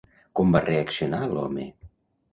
Com va reaccionar l'home?